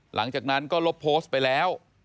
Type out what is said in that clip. หลังจากนั้นก็ลบโพสต์ไปแล้ว